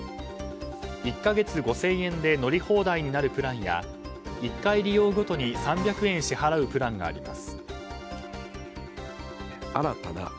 １か月５０００円で乗り放題になるプランや１回利用ごとに３００円支払うプランがあります。